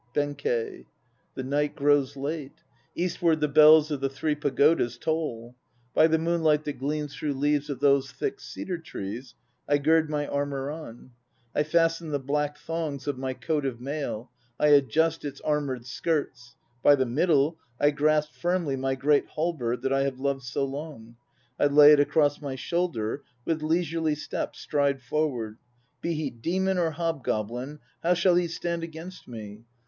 BENKEI. The night grows late. Eastward the bells of the Three Pagodas toll. By the moonlight that gleams through leaves of these thick cedar trees I gird my armour on; I fasten the black thongs of my coat of mail. I adjust its armoured skirts. By the middle I grasp firmly My great halberd that I have loved so long. I lay it across my shoulder; with leisurely step stride forward. Be he demon or hobgoblin, how shall he stand against me?